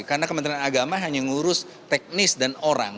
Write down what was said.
karena kementerian agama hanya mengurus teknis dan orang